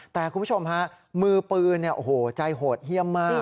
แต่คุณผู้ชมฮะมือปืนเนี่ยโอ้โหใจโหดเยี่ยมมาก